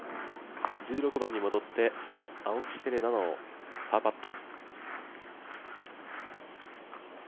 １６番に戻って、青木瀬令奈のパーパット。